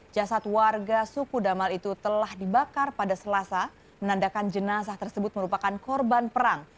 jasad warga suku damal itu telah dibakar pada selasa menandakan jenazah tersebut merupakan korban perang